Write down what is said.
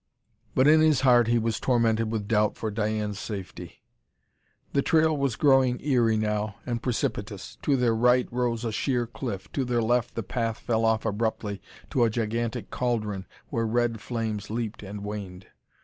But in his heart, he was tormented with doubt for Diane's safety.... The trail was growing eery, now, and precipitous. To their right rose a sheer cliff. To their left, the path fell off abruptly to a gigantic caldron where red flames leaped and waned.